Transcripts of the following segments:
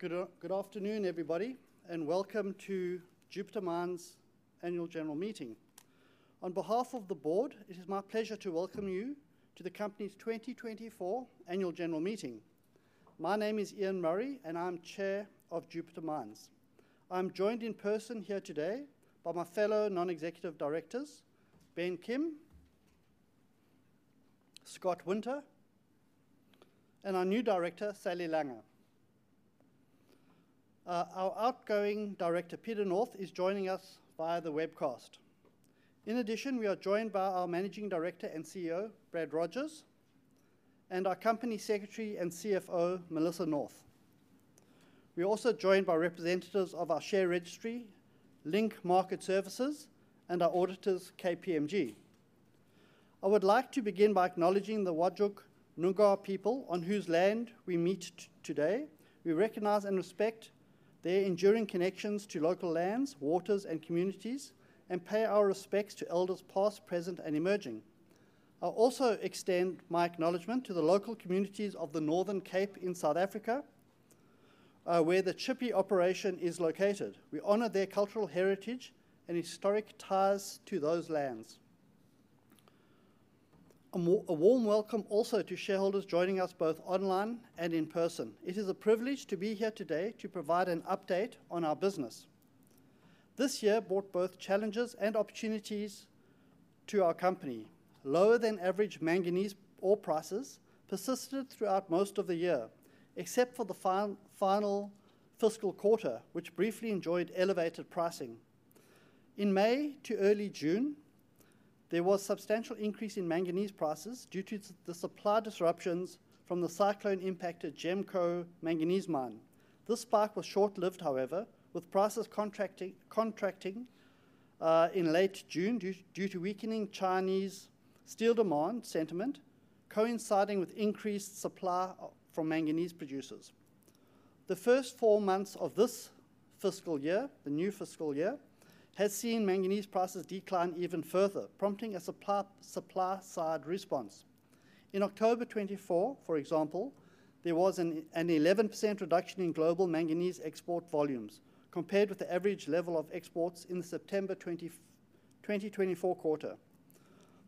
Good afternoon, everybody, and welcome to Jupiter Mines' Annual General Meeting. On behalf of the board, it is my pleasure to welcome you to the company's 2024 Annual General Meeting. My name is Ian Murray, and I'm Chair of Jupiter Mines. I'm joined in person here today by my fellow Non-executive Directors, Ben Kim, Scott Winter, and our new director, Sally Langer. Our outgoing director, Peter North, is joining us via the webcast. In addition, we are joined by our Managing Director and CEO, Brad Rogers, and our Company Secretary and CFO, Melissa North. We are also joined by representatives of our share registry, Link Market Services, and our auditors, KPMG. I would like to begin by acknowledging the Whadjuk Noongar people on whose land we meet today. We recognize and respect their enduring connections to local lands, waters, and communities, and pay our respects to elders past, present, and emerging. I'll also extend my acknowledgement to the local communities of the Northern Cape in South Africa, where the Tshipi operation is located. We honor their cultural heritage and historic ties to those lands. A warm welcome also to shareholders joining us both online and in person. It is a privilege to be here today to provide an update on our business. This year brought both challenges and opportunities to our company. Lower-than-average manganese ore prices persisted throughout most of the year, except for the final fiscal quarter, which briefly enjoyed elevated pricing. In May to early June, there was a substantial increase in manganese prices due to the supply disruptions from the cyclone-impacted GEMCO Manganese Mine. This spike was short-lived, however, with prices contracting in late June due to weakening Chinese steel demand sentiment, coinciding with increased supply from manganese producers. The first four months of this fiscal year, the new fiscal year, have seen manganese prices decline even further, prompting a supply-side response. In October 2024, for example, there was an 11% reduction in global manganese export volumes compared with the average level of exports in the September 2024 quarter.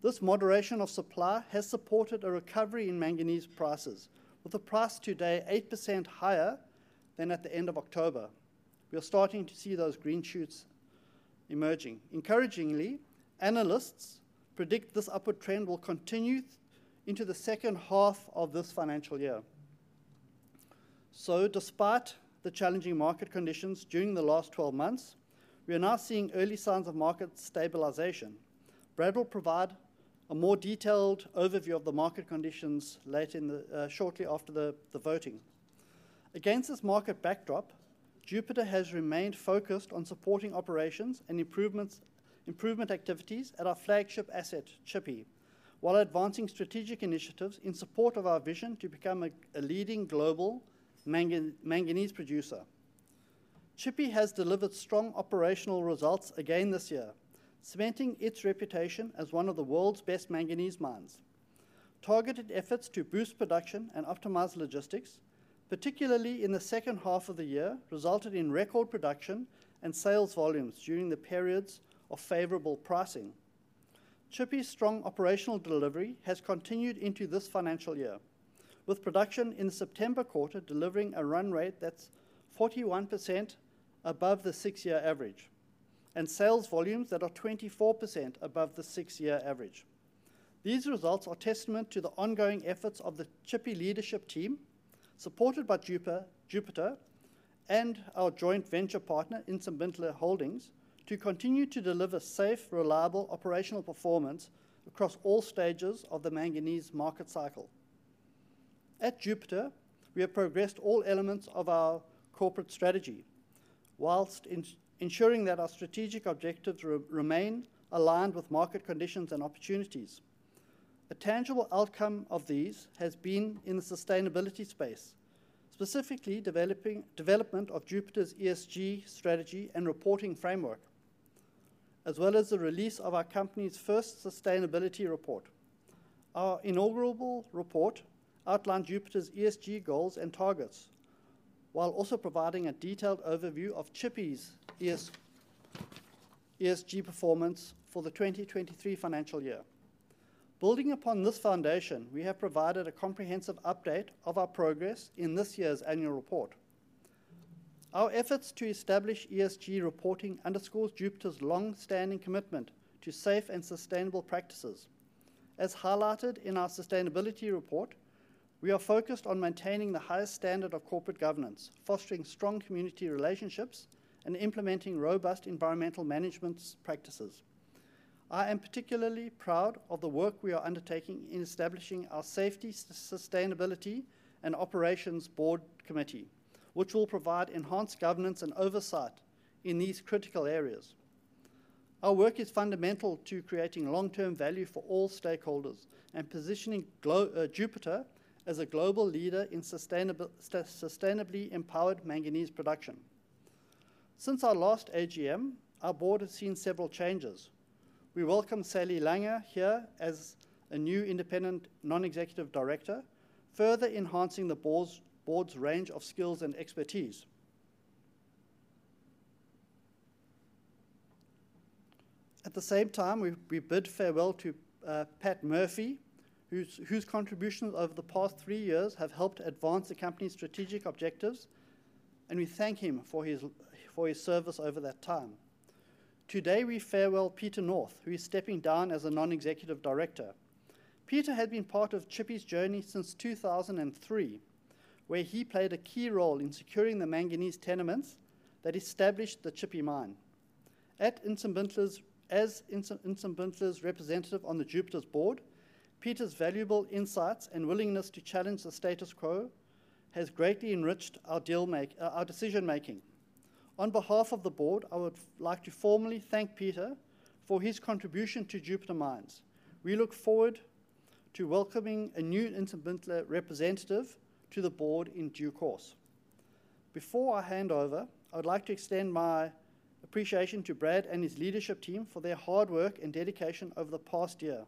This moderation of supply has supported a recovery in manganese prices, with the price today 8% higher than at the end of October. We are starting to see those green shoots emerging. Encouragingly, analysts predict this upward trend will continue into the second half of this financial year. So, despite the challenging market conditions during the last 12 months, we are now seeing early signs of market stabilization. Brad will provide a more detailed overview of the market conditions shortly after the voting. Against this market backdrop, Jupiter has remained focused on supporting operations and improvement activities at our flagship asset, Tshipi, while advancing strategic initiatives in support of our vision to become a leading global manganese producer. Tshipi has delivered strong operational results again this year, cementing its reputation as one of the world's best manganese mines. Targeted efforts to boost production and optimize logistics, particularly in the second half of the year, resulted in record production and sales volumes during the periods of favorable pricing. Tshipi's strong operational delivery has continued into this financial year, with production in the September quarter delivering a run rate that's 41% above the six-year average and sales volumes that are 24% above the six-year average. These results are a testament to the ongoing efforts of the Tshipi leadership team, supported by Jupiter and our joint venture partner, Ntsimbintle Holdings, to continue to deliver safe, reliable operational performance across all stages of the manganese market cycle. At Jupiter, we have progressed all elements of our corporate strategy while ensuring that our strategic objectives remain aligned with market conditions and opportunities. A tangible outcome of these has been in the sustainability space, specifically the development of Jupiter's ESG strategy and reporting framework, as well as the release of our company's first sustainability report. Our inaugural report outlined Jupiter's ESG goals and targets, while also providing a detailed overview of Tshipi's ESG performance for the 2023 financial year. Building upon this foundation, we have provided a comprehensive update of our progress in this year's annual report. Our efforts to establish ESG reporting underscore Jupiter's long-standing commitment to safe and sustainable practices. As highlighted in our sustainability report, we are focused on maintaining the highest standard of corporate governance, fostering strong community relationships, and implementing robust environmental management practices. I am particularly proud of the work we are undertaking in establishing our Safety, Sustainability, and Operations Board Committee, which will provide enhanced governance and oversight in these critical areas. Our work is fundamental to creating long-term value for all stakeholders and positioning Jupiter as a global leader in sustainably empowered manganese production. Since our last AGM, our board has seen several changes. We welcome Sally Langer here as a new independent non-executive director, further enhancing the board's range of skills and expertise. At the same time, we bid farewell to Pat Murphy, whose contributions over the past three years have helped advance the company's strategic objectives, and we thank him for his service over that time. Today, we farewell Peter North, who is stepping down as a non-executive director. Peter had been part of Tshipi's journey since 2003, where he played a key role in securing the manganese tenements that established the Tshipi Mine. As Ntsimbintle's representative on Jupiter's board, Peter's valuable insights and willingness to challenge the status quo have greatly enriched our decision-making. On behalf of the board, I would like to formally thank Peter for his contribution to Jupiter Mines. We look forward to welcoming a new Ntsimbintle representative to the board in due course. Before I hand over, I would like to extend my appreciation to Brad and his leadership team for their hard work and dedication over the past year.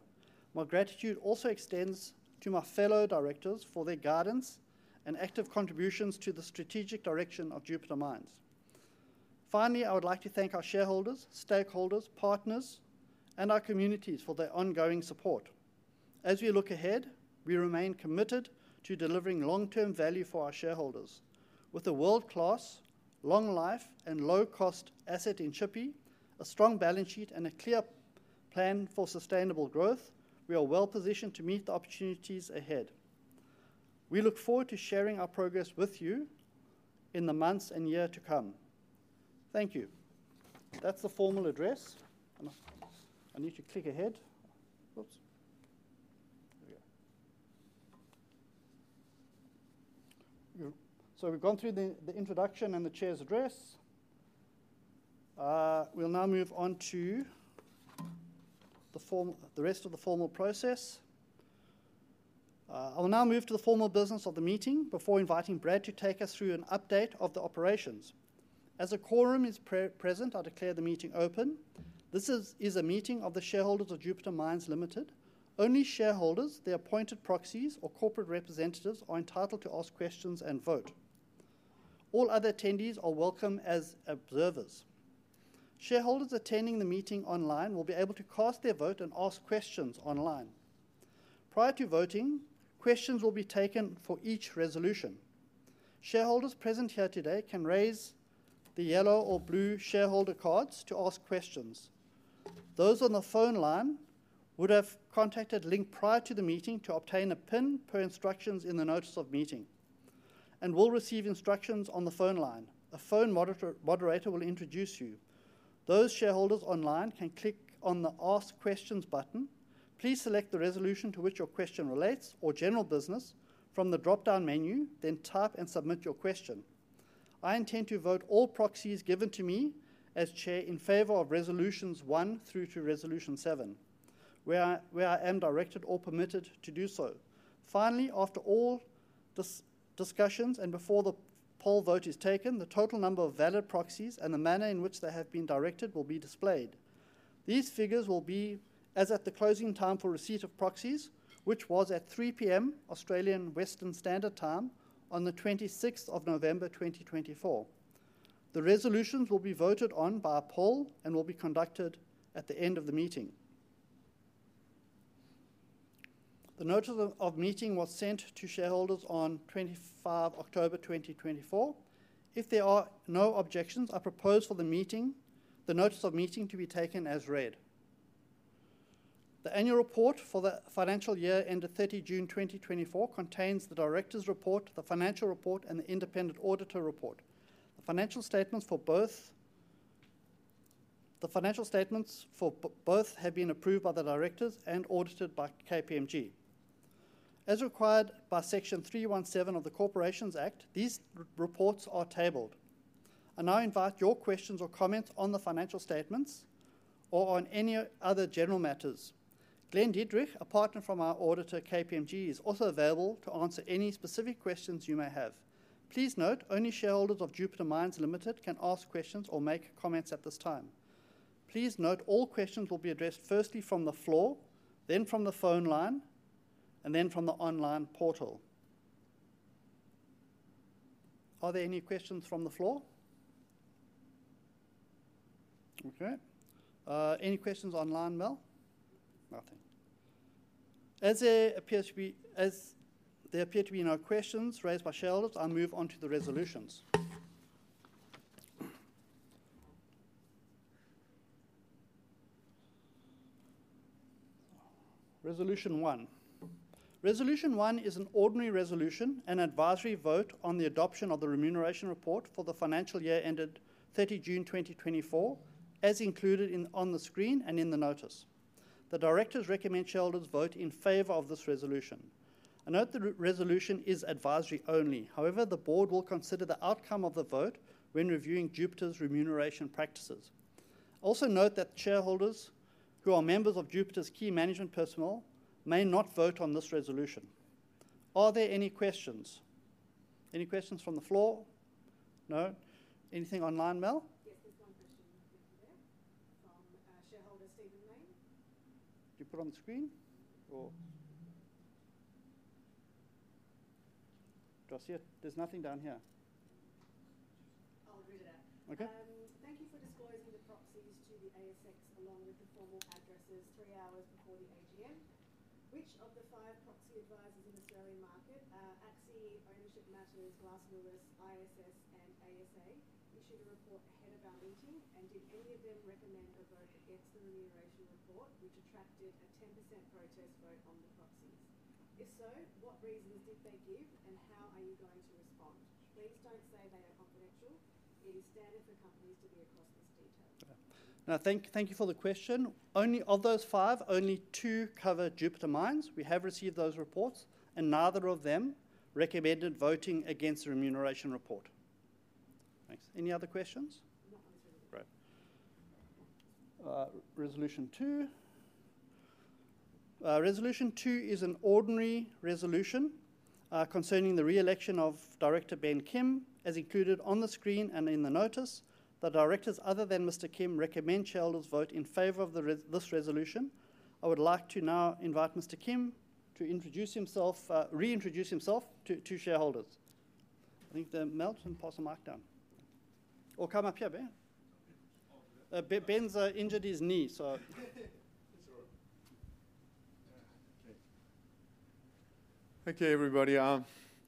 My gratitude also extends to my fellow directors for their guidance and active contributions to the strategic direction of Jupiter Mines. Finally, I would like to thank our shareholders, stakeholders, partners, and our communities for their ongoing support. As we look ahead, we remain committed to delivering long-term value for our shareholders. With a world-class, long-life, and low-cost asset in Tshipi, a strong balance sheet, and a clear plan for sustainable growth, we are well-positioned to meet the opportunities ahead. We look forward to sharing our progress with you in the months and year to come. Thank you. That's the formal address. I need to click ahead. So we've gone through the introduction and the chair's address. We'll now move on to the rest of the formal process. I will now move to the formal business of the meeting before inviting Brad to take us through an update of the operations. As the quorum is present, I declare the meeting open. This is a meeting of the shareholders of Jupiter Mines Limited. Only shareholders, their appointed proxies, or corporate representatives are entitled to ask questions and vote. All other attendees are welcome as observers. Shareholders attending the meeting online will be able to cast their vote and ask questions online. Prior to voting, questions will be taken for each resolution. Shareholders present here today can raise the yellow or blue shareholder cards to ask questions. Those on the phone line would have contacted Link prior to the meeting to obtain a PIN per instructions in the notice of meeting and will receive instructions on the phone line. A phone moderator will introduce you. Those shareholders online can click on the Ask Questions button. Please select the resolution to which your question relates or general business from the drop-down menu, then type and submit your question. I intend to vote all proxies given to me as chair in favor of resolutions one through to resolution seven, where I am directed or permitted to do so. Finally, after all discussions and before the poll vote is taken, the total number of valid proxies and the manner in which they have been directed will be displayed. These figures will be as at the closing time for receipt of proxies, which was at 3:00 P.M. Australian Western Standard Time on the November 26th, 2024. The resolutions will be voted on by a poll and will be conducted at the end of the meeting. The notice of meeting was sent to shareholders on October 25th, 2024. If there are no objections, I propose for the meeting, the notice of meeting to be taken as read. The annual report for the financial year ended June 30th, 2024 contains the director's report, the financial report, and the independent auditor report. The financial statements for both have been approved by the directors and audited by KPMG. As required by Section 317 of the Corporations Act, these reports are tabled. I now invite your questions or comments on the financial statements or on any other general matters. Glenn Dietrich, a partner from our auditor, KPMG, is also available to answer any specific questions you may have. Please note, only shareholders of Jupiter Mines Limited can ask questions or make comments at this time. Please note all questions will be addressed first from the floor, then from the phone line, and then from the online portal. Are there any questions from the floor? Okay. Any questions on line, Mel? Nothing. As there appear to be no questions raised by shareholders, I move on to the resolutions. Resolution one. Resolution one is an ordinary resolution, an advisory vote on the adoption of the remuneration report for the financial year ended 30 June 2024, as included on the screen and in the notice. The directors recommend shareholders vote in favor of this resolution. I note the resolution is advisory only. However, the board will consider the outcome of the vote when reviewing Jupiter's remuneration practices. Also note that shareholders who are members of Jupiter's key management personnel may not vote on this resolution. Are there any questions? Any questions from the floor? No? Anything on line, Mel? Yes, there's one question from shareholder Stephen Lane. Do you put it on the screen or do I see it? There's nothing down here. I'll read it out. Thank you for disclosing the proxies to the ASX along with the formal addresses three hours before the AGM. Which of the five proxy advisors in the Australian market, ACSI, Ownership Matters, Glass Lewis, ISS, and ASA, issued a report ahead of our meeting, and did any of them recommend a vote against the remuneration report, which attracted a 10% protest vote on the proxies? If so, what reasons did they give, and how are you going to respond? Please don't say they are confidential. It is standard for companies to be across this detail. Thank you for the question. Of those five, only two cover Jupiter Mines. We have received those reports, and neither of them recommended voting against the remuneration report. Thanks. Any other questions? Resolution two. Resolution two is an ordinary resolution concerning the reelection of Director Ben Kim. As included on the screen and in the notice, the directors, other than Mr. Kim, recommend shareholders vote in favor of this resolution. I would like to now invite Mr. Kim to introduce himself, reintroduce himself to shareholders. I think the Mel passed the mic down. Or come up here, Ben. Ben's injured his knee, so. Okay, everybody.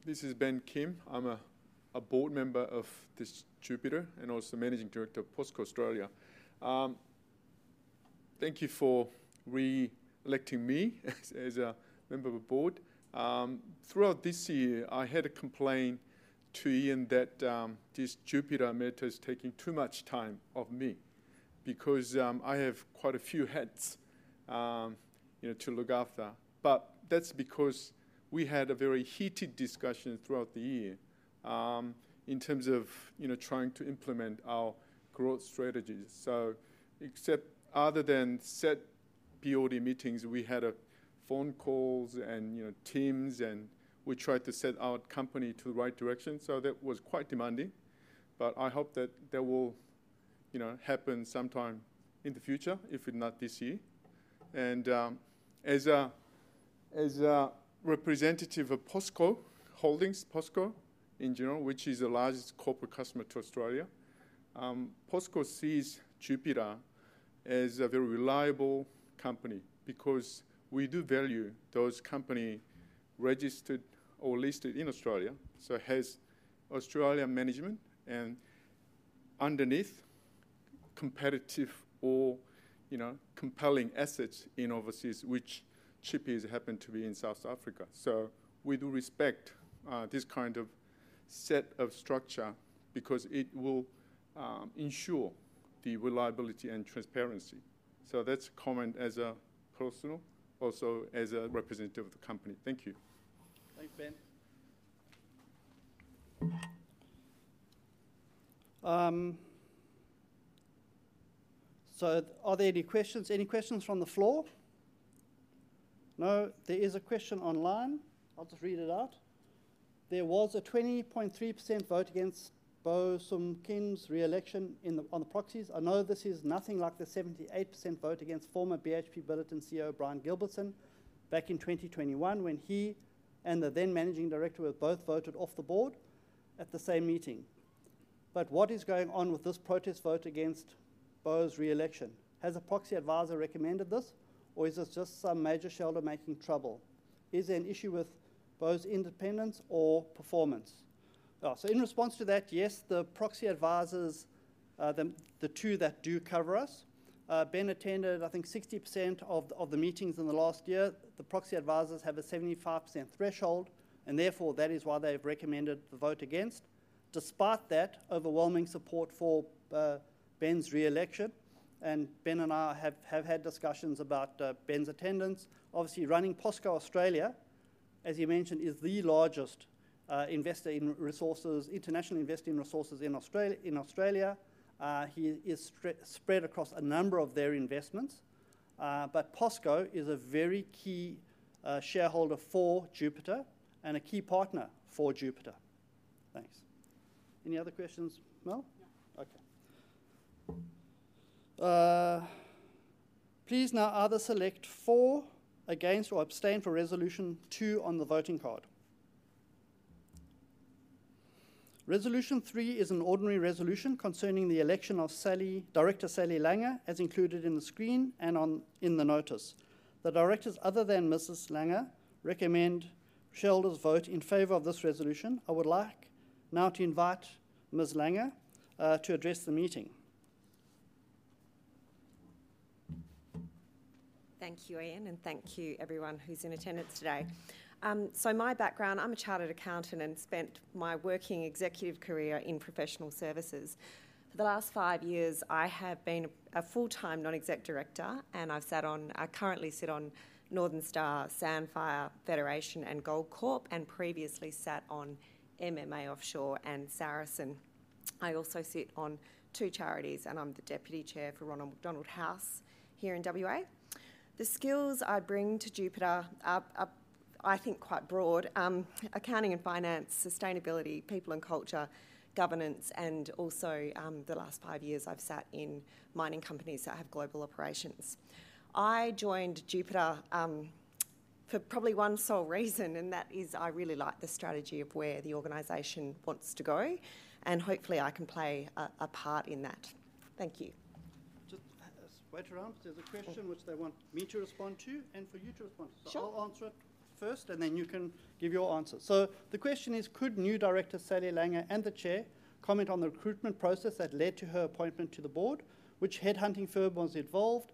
This is Ben Kim. I'm a board member of this Jupiter and also managing director of POSCO Australia. Thank you for re-electing me as a member of the board. Throughout this year, I had a complaint to Ian that this Jupiter matter is taking too much time of me because I have quite a few hats to look after, but that's because we had a very heated discussion throughout the year in terms of trying to implement our growth strategy. So except other than ad hoc meetings, we had phone calls and Teams, and we tried to set our company to the right direction, so that was quite demanding, but I hope that that will happen sometime in the future, if not this year, and as a representative of POSCO Holdings, POSCO in general, which is the largest corporate customer in Australia, POSCO sees Jupiter as a very reliable company because we do value those companies registered or listed in Australia. It has Australian management and underneath competitive or compelling assets overseas, which Jupiter happens to be in South Africa. We do respect this kind of set of structure because it will ensure the reliability and transparency. That's common as a personal, also as a representative of the company. Thank you. Thanks, Ben. Are there any questions? Any questions from the floor? No? There is a question online. I'll just read it out. There was a 20.3% vote against Ben Kim's reelection on the proxies. I know this is nothing like the 78% vote against former BHP Billiton CEO Brian Gilbertson back in 2021 when he and the then managing director were both voted off the board at the same meeting. But what is going on with this protest vote against Ben's reelection? Has a proxy advisor recommended this, or is it just some major shareholder making trouble? Is there an issue with Ben's independence or performance? In response to that, yes, the proxy advisors, the two that do cover us, Ben attended, I think, 60% of the meetings in the last year. The proxy advisors have a 75% threshold, and therefore that is why they have recommended the vote against. Despite that, overwhelming support for Ben's reelection. Ben and I have had discussions about Ben's attendance. Obviously, running POSCO Australia, as you mentioned, is the largest investor in resources, international investor in resources in Australia. He is spread across a number of their investments. POSCO is a very key shareholder for Jupiter and a key partner for Jupiter. Thanks. Any other questions, Mel? No. Okay. Please now either select for against or abstain for resolution two on the voting card. Resolution three is an ordinary resolution concerning the election of Director Sally Langer, as included in the screen and in the notice. The directors, other than Mrs. Langer, recommend shareholders vote in favor of this resolution. I would like now to invite Ms. Langer to address the meeting. Thank you, Ian, and thank you, everyone who's in attendance today. So my background, I'm a chartered accountant and spent my working executive career in professional services. For the last five years, I have been a full-time non-exec director, and I currently sit on Northern Star, Sandfire, Federation, and Gold Corp, and previously sat on MMA Offshore and Saracen. I also sit on two charities, and I'm the deputy chair for Ronald McDonald House here in WA. The skills I bring to Jupiter, I think, quite broad: accounting and finance, sustainability, people and culture, governance, and also the last five years, I've sat in mining companies that have global operations. I joined Jupiter for probably one sole reason, and that is I really like the strategy of where the organization wants to go, and hopefully, I can play a part in that. Thank you. Just wait around. There's a question which they want me to respond to and for you to respond to. So I'll answer it first, and then you can give your answers. So the question is, could new director Sally Langer and the chair comment on the recruitment process that led to her appointment to the board? Which headhunting firm was involved?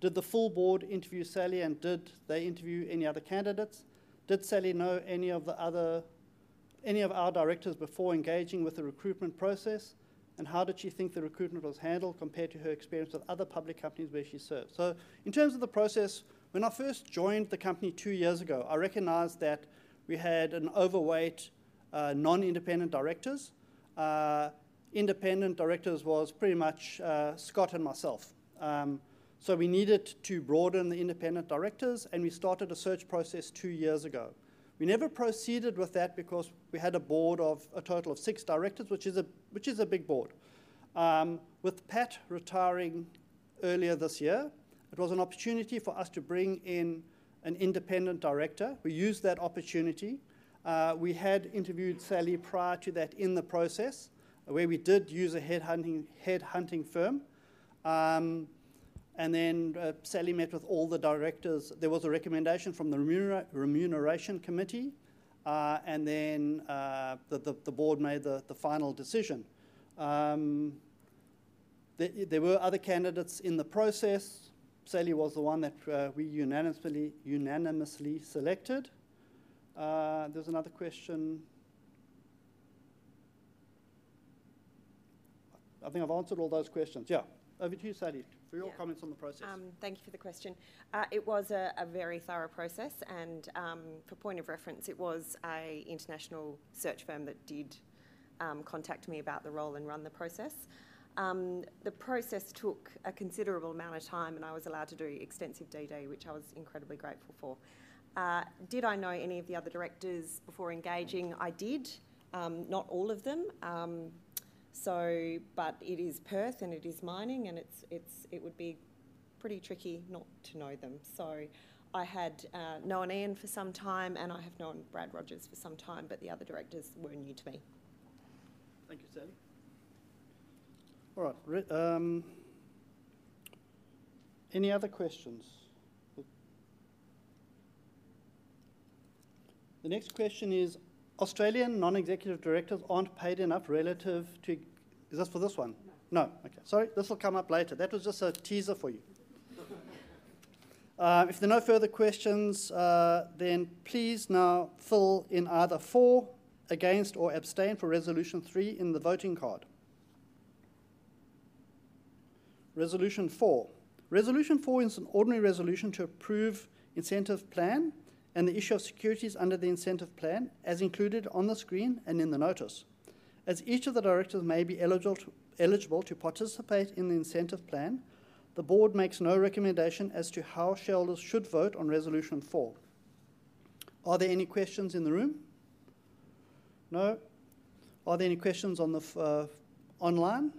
Did the full board interview Sally, and did they interview any other candidates? Did Sally know any of our directors before engaging with the recruitment process? And how did she think the recruitment was handled compared to her experience with other public companies where she served? In terms of the process, when I first joined the company two years ago, I recognized that we had an overweight non-independent directors. Independent directors was pretty much Scott and myself. We needed to broaden the independent directors, and we started a search process two years ago. We never proceeded with that because we had a board of a total of six directors, which is a big board. With Pat retiring earlier this year, it was an opportunity for us to bring in an independent director. We used that opportunity. We had interviewed Sally prior to that in the process, where we did use a headhunting firm. And then Sally met with all the directors. There was a recommendation from the remuneration committee, and then the board made the final decision. There were other candidates in the process. Sally was the one that we unanimously selected. There's another question. I think I've answered all those questions. Yeah, over to you, Sally, for your comments on the process. Thank you for the question. It was a very thorough process, and for point of reference, it was an international search firm that did contact me about the role and run the process. The process took a considerable amount of time, and I was allowed to do extensive DD, which I was incredibly grateful for. Did I know any of the other directors before engaging? I did. Not all of them, but it is Perth, and it is mining, and it would be pretty tricky not to know them. So I had known Ian for some time, and I have known Brad Rogers for some time, but the other directors were new to me. Thank you, Sally. All right. Any other questions? The next question is, Australian non-executive directors aren't paid enough relative to is this for this one? No. No. Okay. Sorry. This will come up later. That was just a teaser for you. If there are no further questions, then please now fill in either for, against or abstain for resolution three in the voting card. Resolution four. Resolution four is an ordinary resolution to approve incentive plan and the issue of securities under the incentive plan as included on the screen and in the notice. As each of the directors may be eligible to participate in the incentive plan, the board makes no recommendation as to how shareholders should vote on resolution four. Are there any questions in the room? No? Are there any questions online?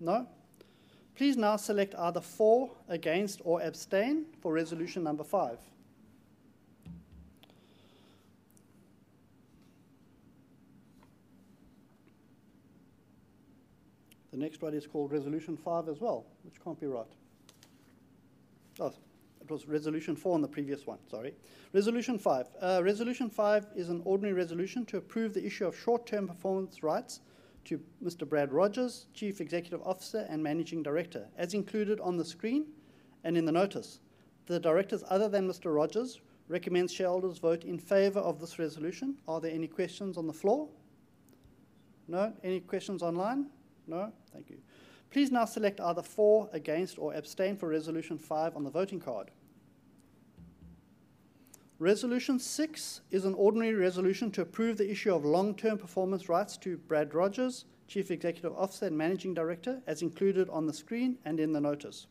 No? Please now select either for, against or abstain for resolution number five. The next one is called resolution five as well, which can't be right. It was resolution four on the previous one. Sorry. Resolution five. Resolution five is an ordinary resolution to approve the issue of short-term performance rights to Mr. Brad Rogers, Chief Executive Officer and Managing Director, as included on the screen and in the notice. The directors, other than Mr. Rogers, recommend shareholders vote in favor of this resolution. Are there any questions on the floor? No? Any questions online? No? Thank you. Please now select either for, against or abstain for resolution five on the voting card. Resolution six is an ordinary resolution to approve the issue of long-term performance rights to Brad Rogers, Chief Executive Officer and Managing Director, as included on the screen and in the notice.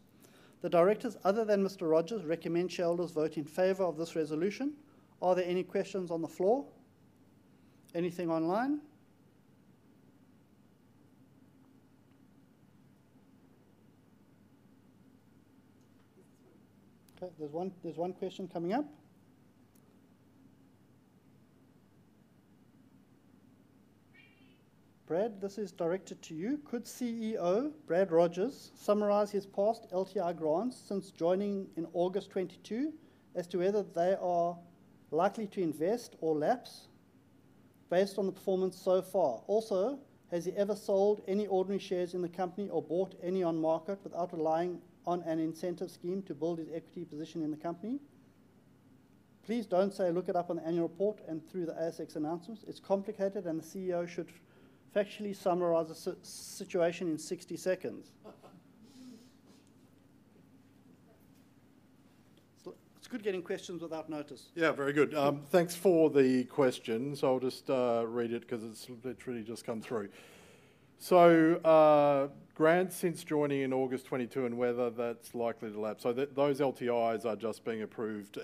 The directors, other than Mr. Rogers, recommend shareholders vote in favor of this resolution. Are there any questions on the floor? Anything online? Okay. There's one question coming up. Brad, this is directed to you. Could CEO Brad Rogers summarize his past LTR grants since joining in August 2022 as to whether they are likely to invest or lapse based on the performance so far? Also, has he ever sold any ordinary shares in the company or bought any on market without relying on an incentive scheme to build his equity position in the company? Please don't say look it up on the annual report and through the ASX announcements. It's complicated, and the CEO should factually summarize the situation in 60 seconds. It's good getting questions without notice. Yeah, very good. Thanks for the questions. I'll just read it because it's literally just come through. So grants since joining in August 2022 and whether that's likely to lapse. So those LTRs are just being approved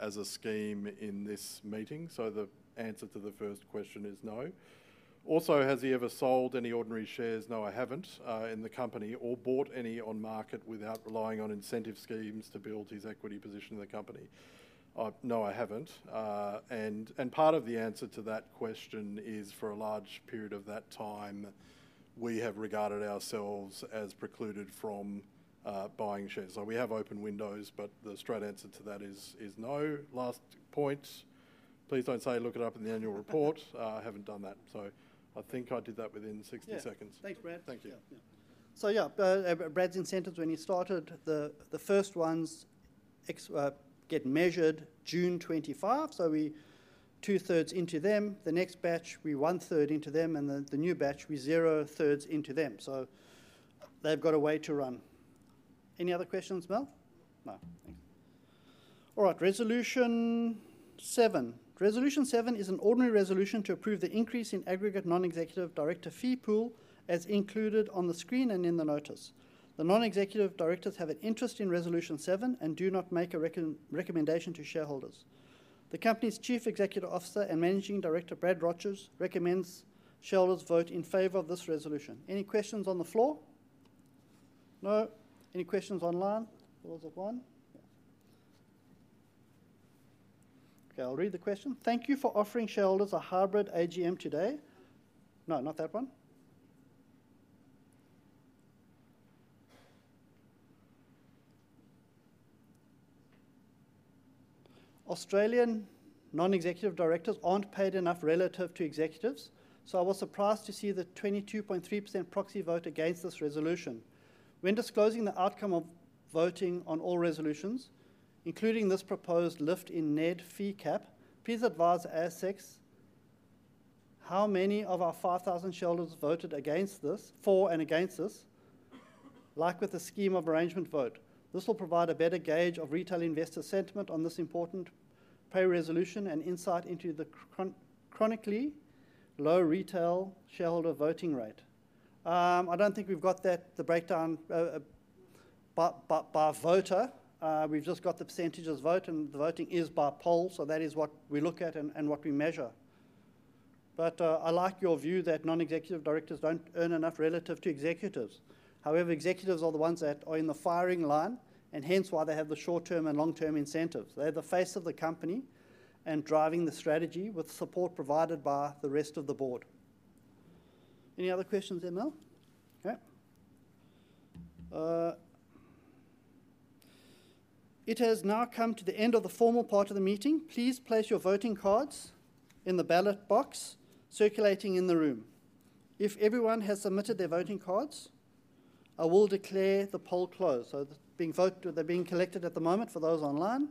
as a scheme in this meeting. So the answer to the first question is no. Also, has he ever sold any ordinary shares? No, I haven't in the company or bought any on market without relying on incentive schemes to build his equity position in the company? No, I haven't. And part of the answer to that question is for a large period of that time, we have regarded ourselves as precluded from buying shares. So we have open windows, but the straight answer to that is no. Last point. Please don't say look it up in the annual report. I haven't done that. So I think I did that within 60 seconds. Yeah. Thanks, Brad. Thank you. So yeah, Brad's incentives, when he started, the first ones get measured June 25th. So we two-thirds into them. The next batch, we one-third into them, and the new batch, we zero-thirds into them. So they've got a way to run. Any other questions, Mel? No. Thanks. All right. Resolution seven. Resolution seven is an ordinary resolution to approve the increase in aggregate non-executive director fee pool as included on the screen and in the notice. The non-executive directors have an interest in resolution seven and do not make a recommendation to shareholders. The company's Chief Executive Officer and Managing Director, Brad Rogers, recommends shareholders vote in favor of this resolution. Any questions on the floor? No? Any questions online? There was one? Yeah. Okay. I'll read the question. Thank you for offering shareholders a hybrid AGM today. No, not that one. Australian non-executive directors aren't paid enough relative to executives, so I was surprised to see the 22.3% proxy vote against this resolution. When disclosing the outcome of voting on all resolutions, including this proposed lift in NED fee cap, please advise ASX how many of our 5,000 shareholders voted for and against this, like with the scheme of arrangement vote. This will provide a better gauge of retail investor sentiment on this important pay resolution and insight into the chronically low retail shareholder voting rate. I don't think we've got the breakdown by voter. We've just got the percentages of vote, and the voting is by poll, so that is what we look at and what we measure. But I like your view that non-executive directors don't earn enough relative to executives. However, executives are the ones that are in the firing line, and hence why they have the short-term and long-term incentives. They're the face of the company and driving the strategy with support provided by the rest of the board. Any other questions, Mel? Okay. It has now come to the end of the formal part of the meeting. Please place your voting cards in the ballot box circulating in the room. If everyone has submitted their voting cards, I will declare the poll closed. So they're being collected at the moment for those online.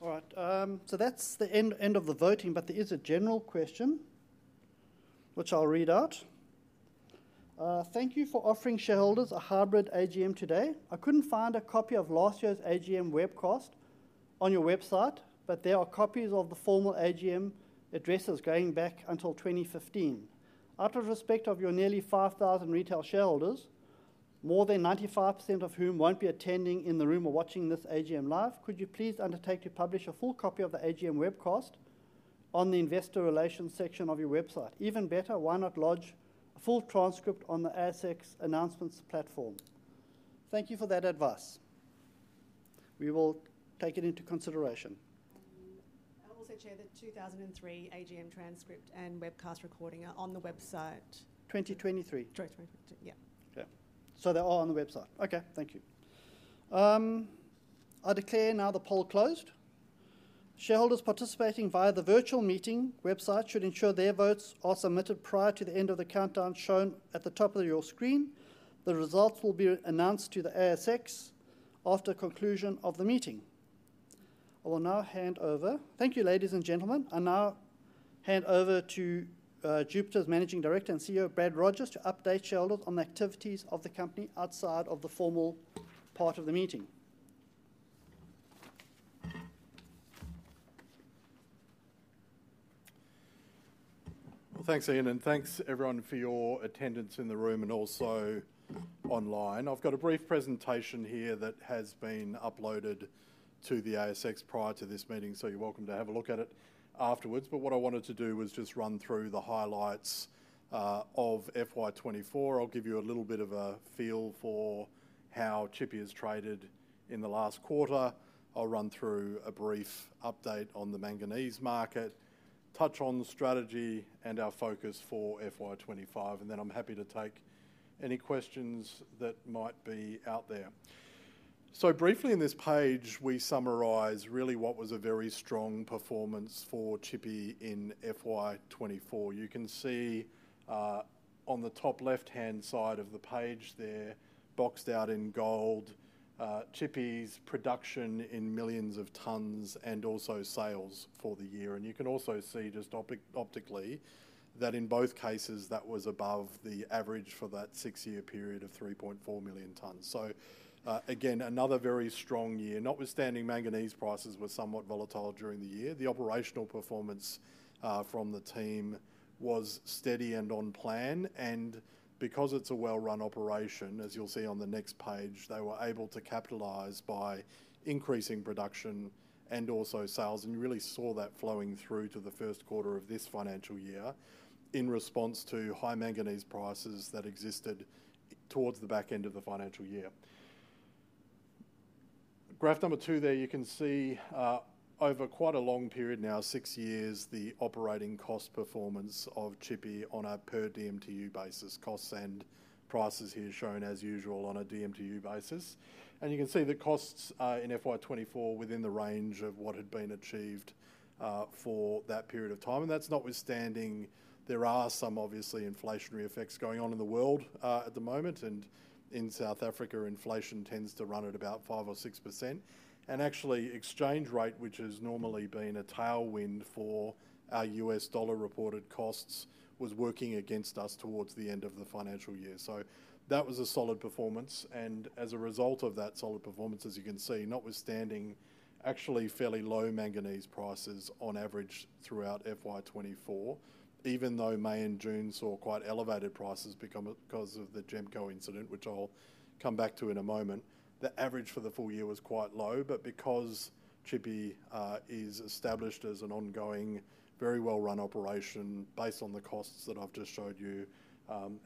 All right. So that's the end of the voting, but there is a general question, which I'll read out. Thank you for offering shareholders a hybrid AGM today. I couldn't find a copy of last year's AGM webcast on your website, but there are copies of the formal AGM addresses going back until 2015. Out of respect of your nearly 5,000 retail shareholders, more than 95% of whom won't be attending in the room or watching this AGM live, could you please undertake to publish a full copy of the AGM webcast on the investor relations section of your website? Even better, why not lodge a full transcript on the ASX announcements platform? Thank you for that advice. We will take it into consideration. I will also share the 2023 AGM transcript and webcast recording on the website. 2023? Yeah. Okay. So they're all on the website. Okay. Thank you. I declare now the poll closed. Shareholders participating via the virtual meeting website should ensure their votes are submitted prior to the end of the countdown shown at the top of your screen. The results will be announced to the ASX after conclusion of the meeting. I will now hand over. Thank you, ladies and gentlemen. I now hand over to Jupiter's Managing Director and CEO, Brad Rogers, to update shareholders on the activities of the company outside of the formal part of the meeting. Thanks, Ian. And thanks, everyone, for your attendance in the room and also online. I've got a brief presentation here that has been uploaded to the ASX prior to this meeting, so you're welcome to have a look at it afterwards. But what I wanted to do was just run through the highlights of FY24. I'll give you a little bit of a feel for how Tshipi has traded in the last quarter. I'll run through a brief update on the manganese market, touch on the strategy and our focus for FY25, and then I'm happy to take any questions that might be out there, so briefly, in this page, we summarize really what was a very strong performance for Tshipi in FY24. You can see on the top left-hand side of the page there, boxed out in gold, Tshipi's production in millions of tons and also sales for the year, and you can also see just optically that in both cases, that was above the average for that six-year period of 3.4 million tons. So again, another very strong year. Notwithstanding manganese prices were somewhat volatile during the year, the operational performance from the team was steady and on plan. Because it's a well-run operation, as you'll see on the next page, they were able to capitalize by increasing production and also sales. You really saw that flowing through to the first quarter of this financial year in response to high manganese prices that existed towards the back end of the financial year. Graph number two there, you can see over quite a long period now, six years, the operating cost performance of Tshipi on a per DMTU basis. Costs and prices here shown as usual on a DMTU basis. You can see the costs in FY24 within the range of what had been achieved for that period of time. That's notwithstanding there are some obviously inflationary effects going on in the world at the moment. In South Africa, inflation tends to run at about 5% or 6%. Actually, exchange rate, which has normally been a tailwind for our US dollar reported costs, was working against us towards the end of the financial year. That was a solid performance. As a result of that solid performance, as you can see, notwithstanding actually fairly low manganese prices on average throughout FY24, even though May and June saw quite elevated prices because of the GEMCO incident, which I'll come back to in a moment, the average for the full year was quite low. Because Tshipi is established as an ongoing, very well-run operation based on the costs that I've just showed you,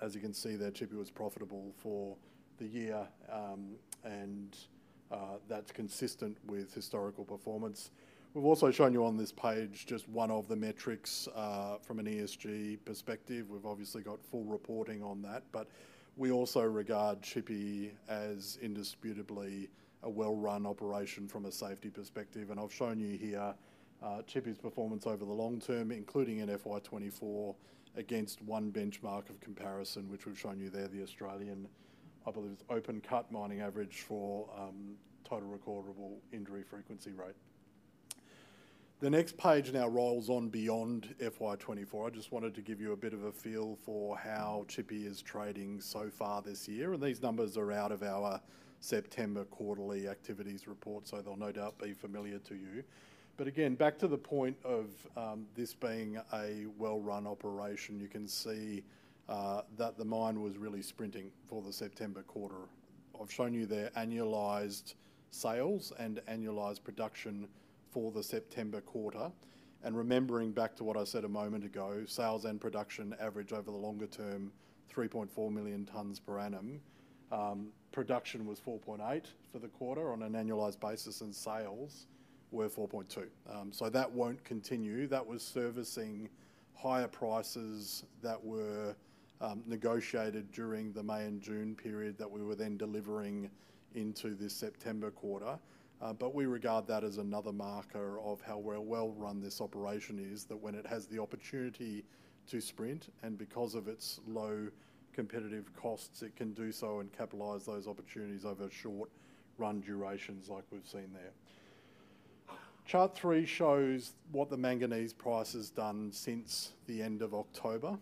as you can see there, Tshipi was profitable for the year, and that's consistent with historical performance. We've also shown you on this page just one of the metrics from an ESG perspective. We've obviously got full reporting on that, but we also regard Tshipi as indisputably a well-run operation from a safety perspective, and I've shown you here Tshipi's performance over the long term, including in FY24, against one benchmark of comparison, which we've shown you there, the Australian, I believe, open-cut mining average for total recordable injury frequency rate. The next page now rolls on beyond FY24. I just wanted to give you a bit of a feel for how Tshipi is trading so far this year, and these numbers are out of our September quarterly activities report, so they'll no doubt be familiar to you. But again, back to the point of this being a well-run operation, you can see that the mine was really sprinting for the September quarter. I've shown you their annualized sales and annualized production for the September quarter. Remembering back to what I said a moment ago, sales and production average over the longer term 3.4 million tons per annum. Production was 4.8 for the quarter on an annualized basis, and sales were 4.2. So that won't continue. That was servicing higher prices that were negotiated during the May and June period that we were then delivering into this September quarter. We regard that as another marker of how well-run this operation is, that when it has the opportunity to sprint, and because of its low competitive costs, it can do so and capitalize those opportunities over short-run durations like we've seen there. Chart three shows what the manganese price has done since the end of October.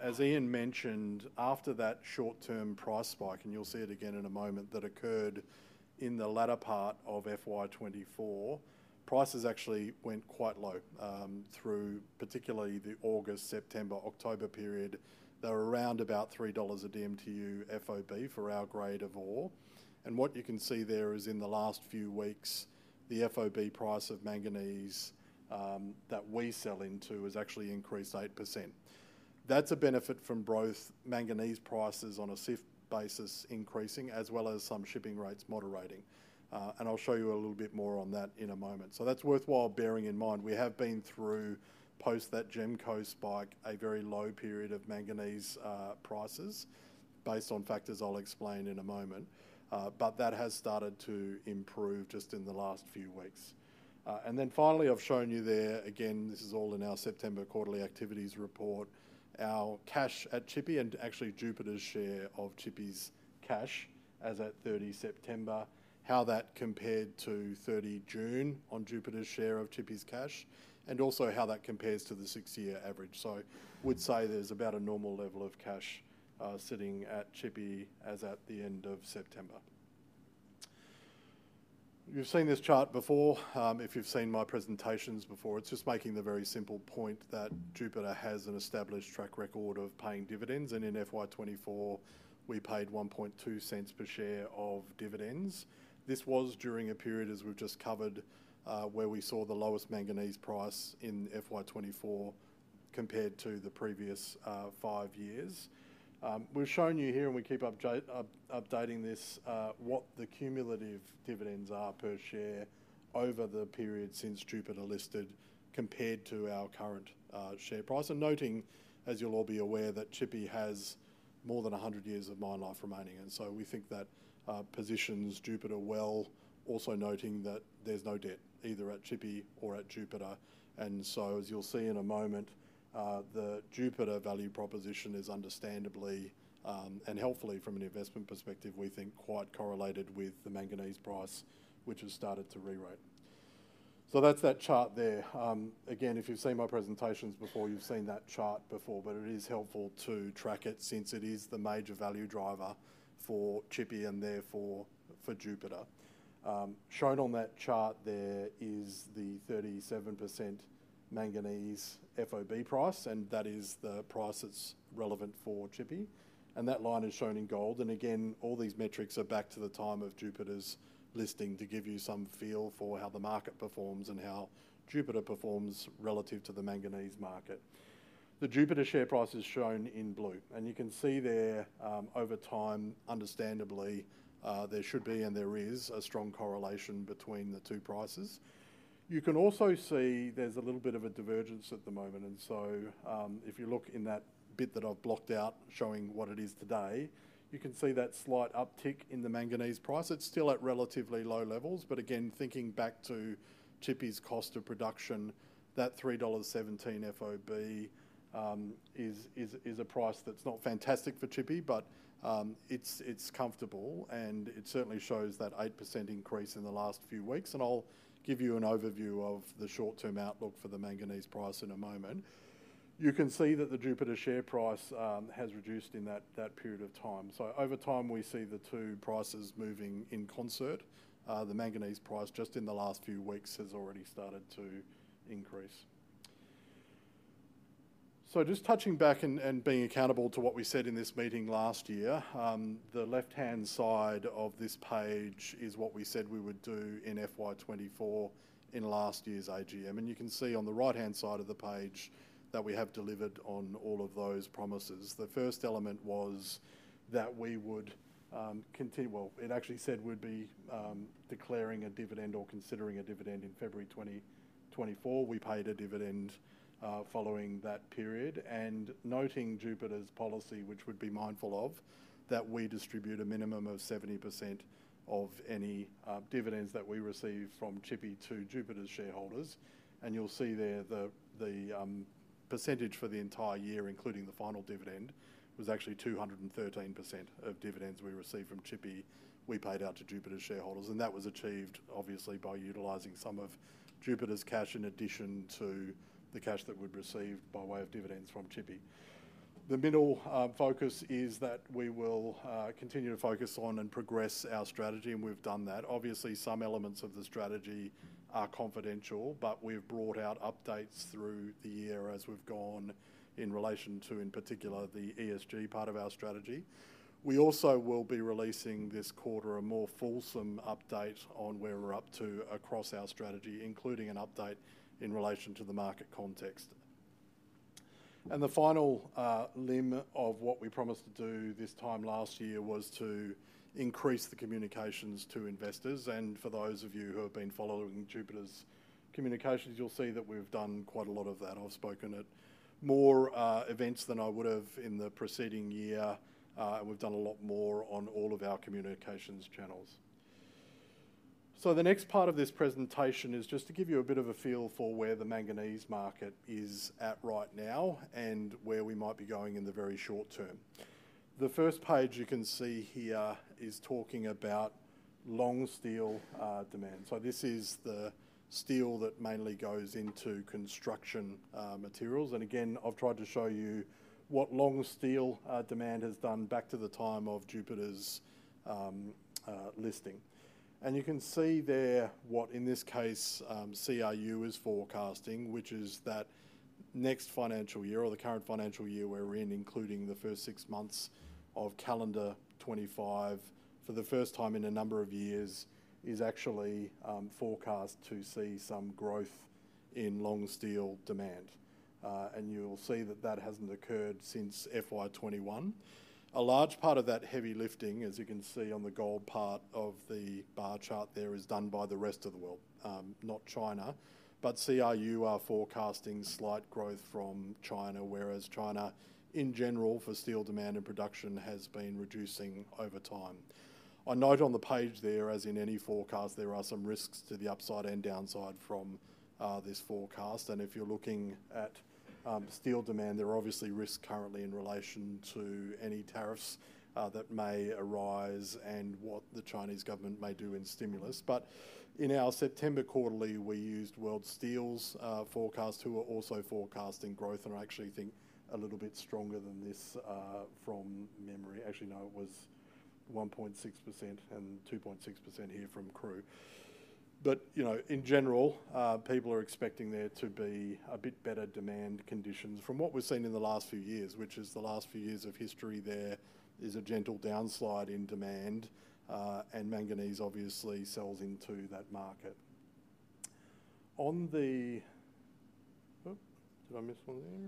As Ian mentioned, after that short-term price spike, and you'll see it again in a moment, that occurred in the latter part of FY24, prices actually went quite low through particularly the August, September, October period. They're around about $3 a DMTU FOB for our grade of ore. And what you can see there is in the last few weeks, the FOB price of manganese that we sell into has actually increased 8%. That's a benefit from both manganese prices on a CIF basis increasing, as well as some shipping rates moderating. And I'll show you a little bit more on that in a moment. So that's worthwhile bearing in mind. We have been through, post that GEMCO spike, a very low period of manganese prices based on factors I'll explain in a moment, but that has started to improve just in the last few weeks. And then finally, I've shown you there again. This is all in our September quarterly activities report, our cash at Tshipi and actually Jupiter's share of Tshipi's cash as at 30 September, how that compared to 30 June on Jupiter's share of Tshipi's cash, and also how that compares to the six-year average. So I would say there's about a normal level of cash sitting at Tshipi as at the end of September. You've seen this chart before. If you've seen my presentations before, it's just making the very simple point that Jupiter has an established track record of paying dividends. And in FY24, we paid 0.012 per share in dividends. This was during a period, as we've just covered, where we saw the lowest manganese price in FY24 compared to the previous five years. We've shown you here, and we keep updating this, what the cumulative dividends are per share over the period since Jupiter listed compared to our current share price. And noting, as you'll all be aware, that Tshipi has more than 100 years of mine life remaining. And so we think that positions Jupiter well, also noting that there's no debt either at Tshipi or at Jupiter. And so, as you'll see in a moment, the Jupiter value proposition is understandably and helpfully from an investment perspective, we think, quite correlated with the manganese price, which has started to re-rate. So that's that chart there. Again, if you've seen my presentations before, you've seen that chart before, but it is helpful to track it since it is the major value driver for Tshipi and therefore for Jupiter. Shown on that chart there is the 37% manganese FOB price, and that is the price that's relevant for Tshipi. That line is shown in gold. Again, all these metrics are back to the time of Jupiter's listing to give you some feel for how the market performs and how Jupiter performs relative to the manganese market. The Jupiter share price is shown in blue. You can see there over time, understandably, there should be and there is a strong correlation between the two prices. You can also see there's a little bit of a divergence at the moment. So if you look in that bit that I've blocked out showing what it is today, you can see that slight uptick in the manganese price. It's still at relatively low levels. But again, thinking back to Tshipi's cost of production, that $3.17 FOB is a price that's not fantastic for Tshipi, but it's comfortable. And it certainly shows that 8% increase in the last few weeks. And I'll give you an overview of the short-term outlook for the manganese price in a moment. You can see that the Jupiter share price has reduced in that period of time. So over time, we see the two prices moving in concert. The manganese price just in the last few weeks has already started to increase. So just touching back and being accountable to what we said in this meeting last year, the left-hand side of this page is what we said we would do in FY24 in last year's AGM. And you can see on the right-hand side of the page that we have delivered on all of those promises. The first element was that we would continue, well. It actually said we'd be declaring a dividend or considering a dividend in February 2024. We paid a dividend following that period, and noting Jupiter's policy, which we'd be mindful of, that we distribute a minimum of 70% of any dividends that we receive from Tshipi to Jupiter's shareholders. And you'll see there the percentage for the entire year, including the final dividend, was actually 213% of dividends we received from Tshipi we paid out to Jupiter's shareholders. And that was achieved, obviously, by utilizing some of Jupiter's cash in addition to the cash that we'd received by way of dividends from Tshipi. The middle focus is that we will continue to focus on and progress our strategy, and we've done that. Obviously, some elements of the strategy are confidential, but we've brought out updates through the year as we've gone in relation to, in particular, the ESG part of our strategy. We also will be releasing this quarter a more fulsome update on where we're up to across our strategy, including an update in relation to the market context. And the final limb of what we promised to do this time last year was to increase the communications to investors. And for those of you who have been following Jupiter's communications, you'll see that we've done quite a lot of that. I've spoken at more events than I would have in the preceding year. We've done a lot more on all of our communications channels. So the next part of this presentation is just to give you a bit of a feel for where the manganese market is at right now and where we might be going in the very short term. The first page you can see here is talking about long steel demand. So this is the steel that mainly goes into construction materials. And again, I've tried to show you what long steel demand has done back to the time of Jupiter's listing. And you can see there what, in this case, CRU is forecasting, which is that next financial year or the current financial year we're in, including the first six months of calendar 2025, for the first time in a number of years, is actually forecast to see some growth in long steel demand. And you'll see that that hasn't occurred since FY21. A large part of that heavy lifting, as you can see on the gold part of the bar chart there, is done by the rest of the world, not China, but CRU are forecasting slight growth from China, whereas China, in general, for steel demand and production has been reducing over time. I note on the page there, as in any forecast, there are some risks to the upside and downside from this forecast, and if you're looking at steel demand, there are obviously risks currently in relation to any tariffs that may arise and what the Chinese government may do in stimulus, but in our September quarterly, we used World Steel's forecast, who are also forecasting growth and actually think a little bit stronger than this from memory. Actually, no, it was 1.6% and 2.6% here from CRU. But in general, people are expecting there to be a bit better demand conditions from what we've seen in the last few years, which is the last few years of history there is a gentle downslide in demand, and manganese obviously sells into that market. On the. Did I miss one there? Yeah.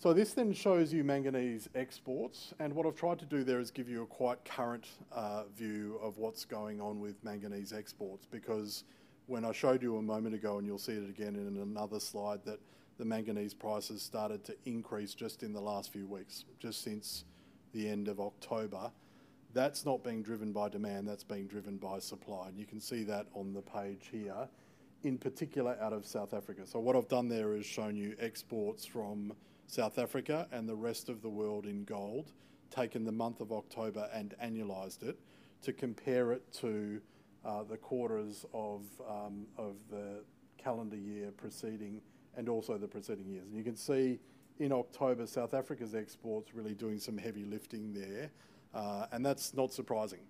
So this then shows you manganese exports. And what I've tried to do there is give you a quite current view of what's going on with manganese exports because when I showed you a moment ago, and you'll see it again in another slide, that the manganese prices started to increase just in the last few weeks, just since the end of October. That's not being driven by demand. That's being driven by supply. And you can see that on the page here, in particular out of South Africa. What I've done there is shown you exports from South Africa and the rest of the world in total, taken the month of October and annualized it to compare it to the quarters of the calendar year preceding and also the preceding years. And you can see in October, South Africa's exports really doing some heavy lifting there. And that's not surprising.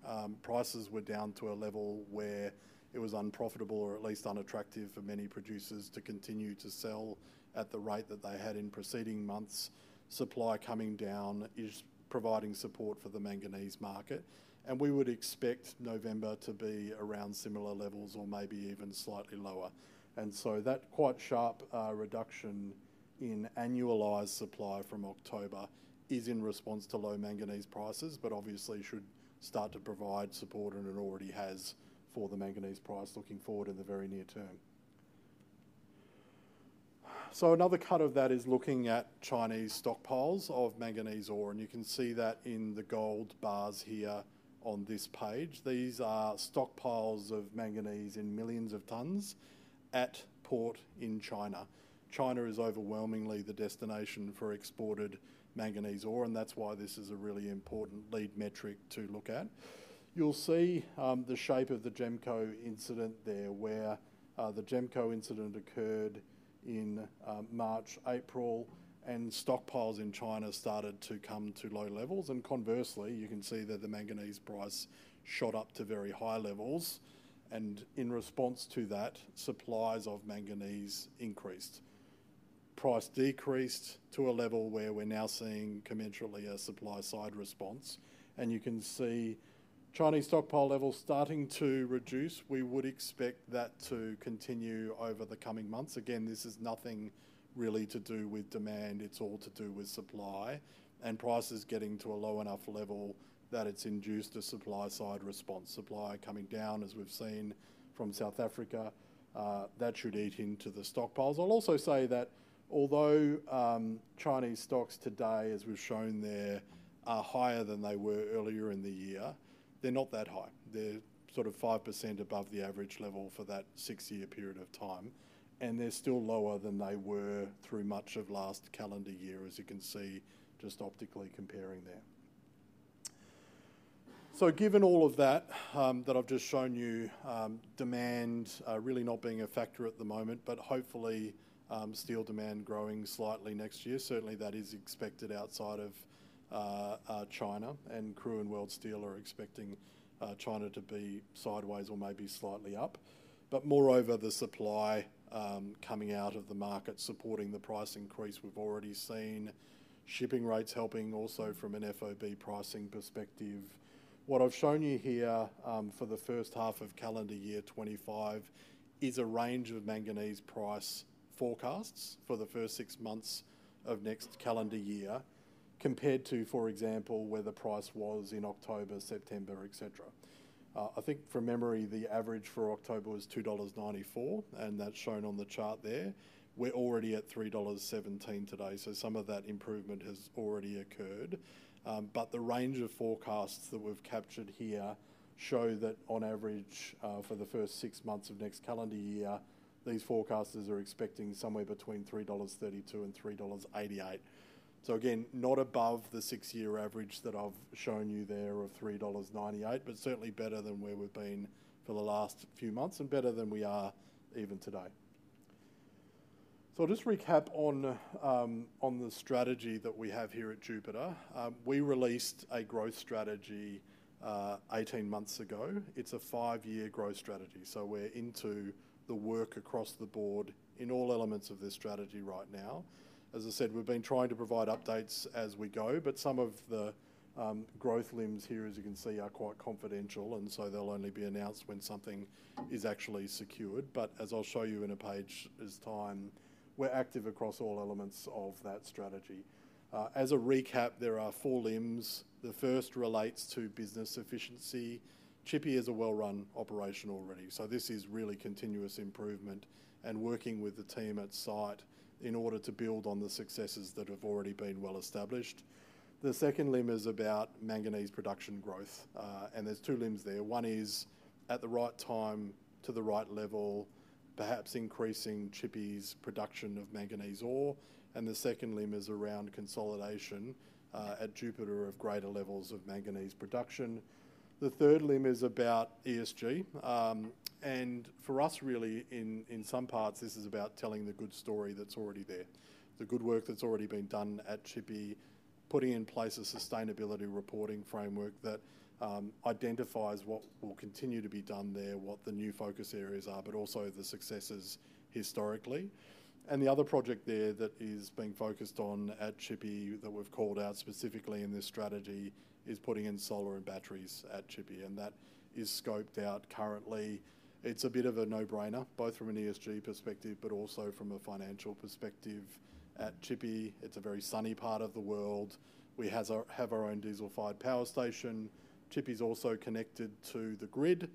Prices were down to a level where it was unprofitable or at least unattractive for many producers to continue to sell at the rate that they had in preceding months. Supply coming down is providing support for the manganese market. And we would expect November to be around similar levels or maybe even slightly lower. That quite sharp reduction in annualized supply from October is in response to low manganese prices, but obviously should start to provide support and it already has for the manganese price looking forward in the very near term. So another cut of that is looking at Chinese stockpiles of manganese ore. And you can see that in the gold bars here on this page. These are stockpiles of manganese in millions of tons at port in China. China is overwhelmingly the destination for exported manganese ore, and that's why this is a really important lead metric to look at. You'll see the shape of the GEMCO incident there where the GEMCO incident occurred in March, April, and stockpiles in China started to come to low levels. And conversely, you can see that the manganese price shot up to very high levels. And in response to that, supplies of manganese increased. Price decreased to a level where we're now seeing commensurately a supply-side response. And you can see Chinese stockpile levels starting to reduce. We would expect that to continue over the coming months. Again, this is nothing really to do with demand. It's all to do with supply and prices getting to a low enough level that it's induced a supply-side response. Supply coming down, as we've seen from South Africa, that should eat into the stockpiles. I'll also say that although Chinese stocks today, as we've shown there, are higher than they were earlier in the year, they're not that high. They're sort of 5% above the average level for that six-year period of time. And they're still lower than they were through much of last calendar year, as you can see just optically comparing there. So, given all of that that I've just shown you, demand really not being a factor at the moment, but hopefully steel demand growing slightly next year. Certainly, that is expected outside of China. And CRU and World Steel are expecting China to be sideways or maybe slightly up. But moreover, the supply coming out of the market supporting the price increase we've already seen, shipping rates helping also from an FOB pricing perspective. What I've shown you here for the first half of calendar year 2025 is a range of manganese price forecasts for the first six months of next calendar year compared to, for example, where the price was in October, September, etc. I think from memory, the average for October was $2.94, and that's shown on the chart there. We're already at $3.17 today. So some of that improvement has already occurred. The range of forecasts that we've captured here show that on average for the first six months of next calendar year, these forecasters are expecting somewhere between $3.32 and $3.88. So again, not above the six-year average that I've shown you there of $3.98, but certainly better than where we've been for the last few months and better than we are even today. So I'll just recap on the strategy that we have here at Jupiter. We released a growth strategy 18 months ago. It's a five-year growth strategy. So we're into the work across the board in all elements of this strategy right now. As I said, we've been trying to provide updates as we go, but some of the growth limbs here, as you can see, are quite confidential. And so they'll only be announced when something is actually secured. But as I'll show you in a page at a time, we're active across all elements of that strategy. As a recap, there are four limbs. The first relates to business efficiency. Tshipi is a well-run operation already. So this is really continuous improvement and working with the team at site in order to build on the successes that have already been well established. The second limb is about manganese production growth. And there's two limbs there. One is at the right time to the right level, perhaps increasing Tshipi's production of manganese ore. And the second limb is around consolidation at Jupiter of greater levels of manganese production. The third limb is about ESG. And for us, really, in some parts, this is about telling the good story that's already there, the good work that's already been done at Tshipi, putting in place a sustainability reporting framework that identifies what will continue to be done there, what the new focus areas are, but also the successes historically. And the other project there that is being focused on at Tshipi that we've called out specifically in this strategy is putting in solar and batteries at Tshipi. And that is scoped out currently. It's a bit of a no-brainer, both from an ESG perspective, but also from a financial perspective at Tshipi. It's a very sunny part of the world. We have our own diesel-fired power station. Tshipi's also connected to the grid.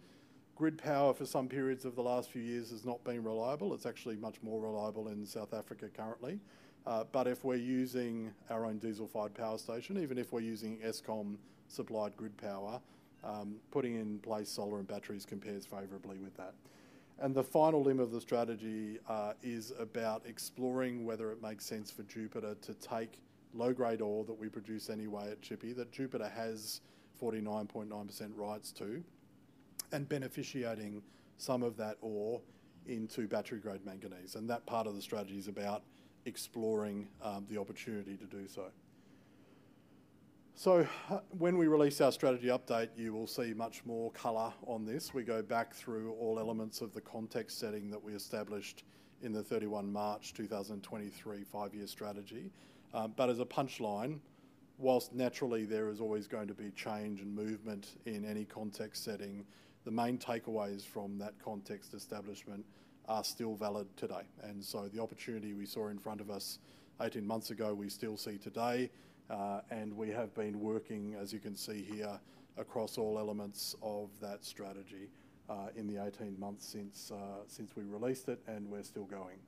Grid power for some periods of the last few years has not been reliable. It's actually much more reliable in South Africa currently. If we're using our own diesel-fired power station, even if we're using Eskom-supplied grid power, putting in place solar and batteries compares favorably with that. The final limb of the strategy is about exploring whether it makes sense for Jupiter to take low-grade ore that we produce anyway at Tshipi, that Jupiter has 49.9% rights to, and beneficiating some of that ore into battery-grade manganese. That part of the strategy is about exploring the opportunity to do so. When we release our strategy update, you will see much more color on this. We go back through all elements of the context setting that we established in the 31 March 2023 five-year strategy. As a punchline, while naturally there is always going to be change and movement in any context setting, the main takeaways from that context establishment are still valid today. And so the opportunity we saw in front of us 18 months ago, we still see today. And we have been working, as you can see here, across all elements of that strategy in the 18 months since we released it, and we're still going.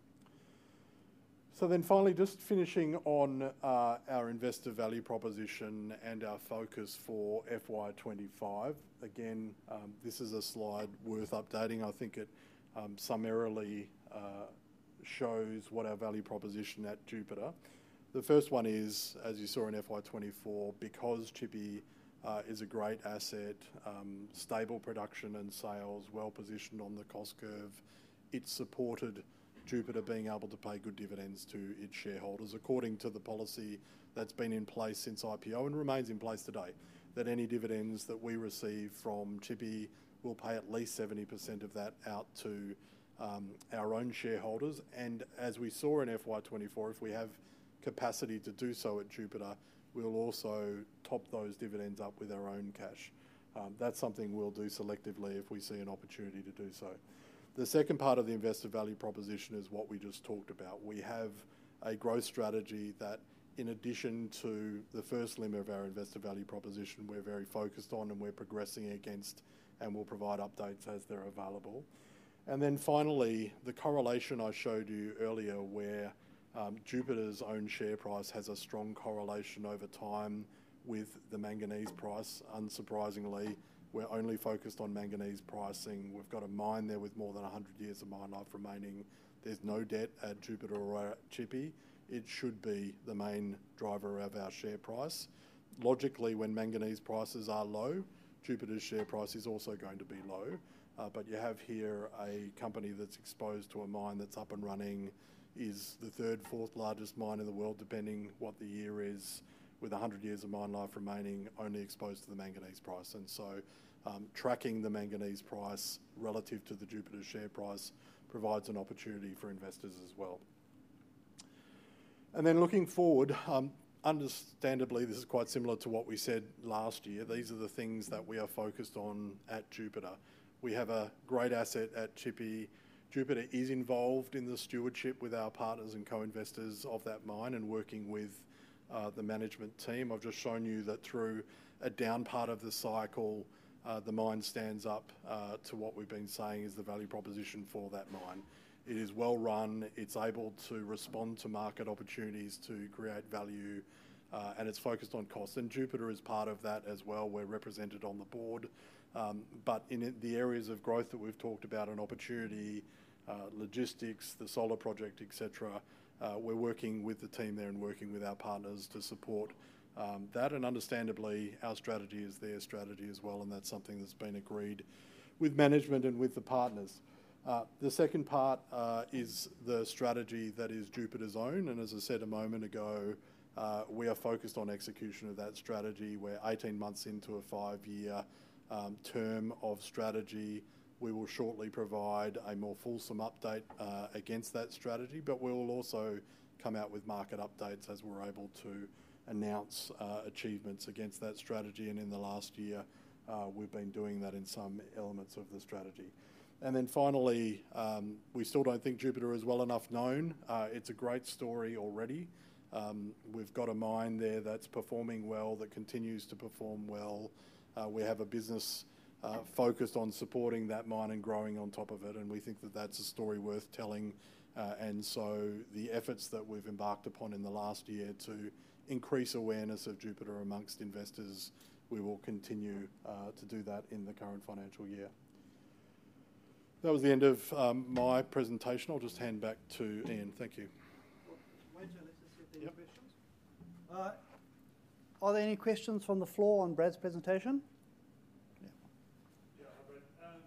So then finally, just finishing on our investor value proposition and our focus for FY25. Again, this is a slide worth updating. I think it summarily shows what our value proposition at Jupiter. The first one is, as you saw in FY24, because Tshipi is a great asset, stable production and sales, well-positioned on the cost curve, it's supported Jupiter being able to pay good dividends to its shareholders according to the policy that's been in place since IPO and remains in place today, that any dividends that we receive from Tshipi will pay at least 70% of that out to our own shareholders. As we saw in FY24, if we have capacity to do so at Jupiter, we'll also top those dividends up with our own cash. That's something we'll do selectively if we see an opportunity to do so. The second part of the investor value proposition is what we just talked about. We have a growth strategy that, in addition to the first limb of our investor value proposition, we're very focused on and we're progressing against, and we'll provide updates as they're available. And then finally, the correlation I showed you earlier where Jupiter's own share price has a strong correlation over time with the manganese price. Unsurprisingly, we're only focused on manganese pricing. We've got a mine there with more than 100 years of mine life remaining. There's no debt at Jupiter or at Tshipi. It should be the main driver of our share price. Logically, when manganese prices are low, Jupiter's share price is also going to be low, but you have here a company that's exposed to a mine that's up and running, is the third, fourth largest mine in the world, depending what the year is, with 100 years of mine life remaining, only exposed to the manganese price, and so tracking the manganese price relative to the Jupiter share price provides an opportunity for investors as well, and then looking forward, understandably, this is quite similar to what we said last year. These are the things that we are focused on at Jupiter. We have a great asset at Tshipi. Jupiter is involved in the stewardship with our partners and co-investors of that mine and working with the management team. I've just shown you that through a down part of the cycle, the mine stands up to what we've been saying is the value proposition for that mine. It is well-run. It's able to respond to market opportunities to create value, and it's focused on cost, and Jupiter is part of that as well. We're represented on the board, but in the areas of growth that we've talked about and opportunity, logistics, the solar project, etc., we're working with the team there and working with our partners to support that, and understandably, our strategy is their strategy as well, and that's something that's been agreed with management and with the partners. The second part is the strategy that is Jupiter's own, and as I said a moment ago, we are focused on execution of that strategy. We're 18 months into a five-year term of strategy. We will shortly provide a more fulsome update against that strategy, but we will also come out with market updates as we're able to announce achievements against that strategy. And in the last year, we've been doing that in some elements of the strategy. And then finally, we still don't think Jupiter is well enough known. It's a great story already. We've got a mine there that's performing well, that continues to perform well. We have a business focused on supporting that mine and growing on top of it. And we think that that's a story worth telling. And so the efforts that we've embarked upon in the last year to increase awareness of Jupiter amongst investors, we will continue to do that in the current financial year. That was the end of my presentation. I'll just hand back to Ian. Thank you. Wait till I listen to the questions. Are there any questions from the floor on Brad's presentation? Yeah. Yeah, hi, Brad.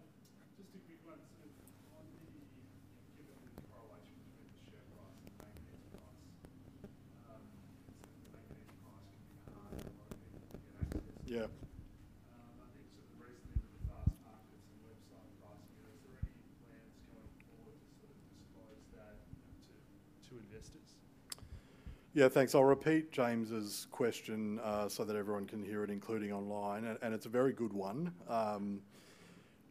Just a quick one. So on the given correlation between the share price and the manganese price, it seems the manganese price can be high for a lot of people to get access. I think sort of recently, with the Fastmarkets and website pricing, is there any plans going forward to sort of disclose that to investors? Yeah, thanks. I'll repeat James's question so that everyone can hear it, including online. And it's a very good one.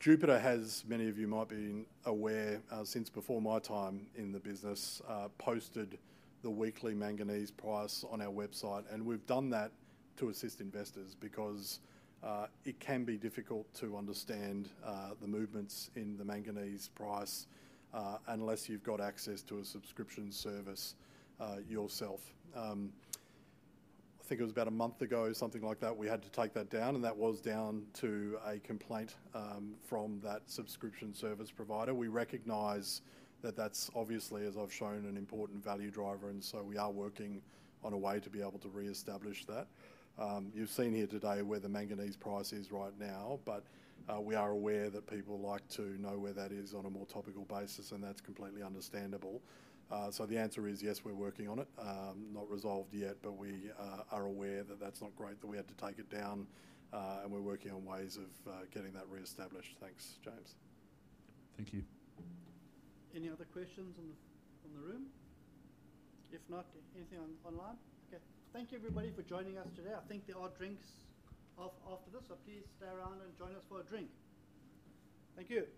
Jupiter, as many of you might be aware since before my time in the business, posted the weekly manganese price on our website. And we've done that to assist investors because it can be difficult to understand the movements in the manganese price unless you've got access to a subscription service yourself. I think it was about a month ago, something like that, we had to take that down. And that was down to a complaint from that subscription service provider. We recognize that that's obviously, as I've shown, an important value driver. And so we are working on a way to be able to reestablish that. You've seen here today where the manganese price is right now, but we are aware that people like to know where that is on a more topical basis, and that's completely understandable, so the answer is yes, we're working on it. Not resolved yet, but we are aware that that's not great, that we had to take it down, and we're working on ways of getting that reestablished. Thanks, James. Thank you. Any other questions in the room? If not, anything online? Okay. Thank you, everybody, for joining us today. I think there are drinks after this, so please stay around and join us for a drink. Thank you.